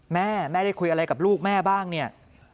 แม่แม่ได้คุยอะไรกับลูกแม่บ้างเนี่ย